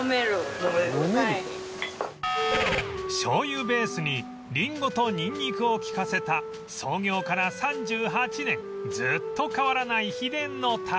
醤油ベースにリンゴとニンニクを利かせた創業から３８年ずっと変わらない秘伝のタレ